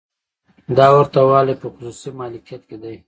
دا ورته والی په خصوصي مالکیت کې دی.